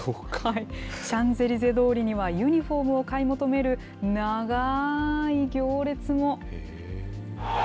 シャンゼリゼ通りには、ユニホームを買い求める長い行列も。